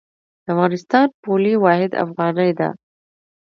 د افغانستان پولي واحد افغانۍ ده